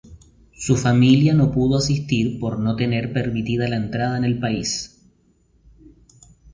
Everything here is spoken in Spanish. Su familia no pudo asistir por no tener permitida la entrada en el país.